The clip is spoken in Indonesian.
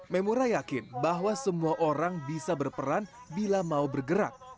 memura yakin bahwa semua orang bisa berperan bila mau bergerak